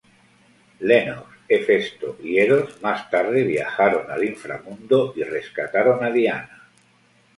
Lennox, Hefesto y Eros más tarde viajaron al Inframundo y rescataron a Diana.